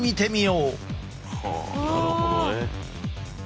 はあなるほどね。